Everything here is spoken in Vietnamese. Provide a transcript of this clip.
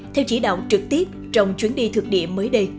theo chỉ đạo trực tiếp trong chuyến đi thực địa mới đây